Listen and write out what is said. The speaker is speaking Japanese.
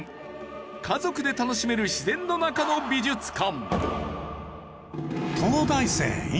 家族で楽しめる自然の中の美術館！